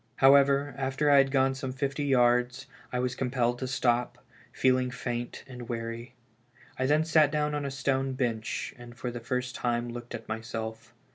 Ilowever, after I had gone some fifty yards, I was compelled to stop, feeling faint and weary. I then sat down on a stone bench, and for the first time looked at myself.